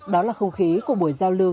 đó là không khí của buổi giao lưu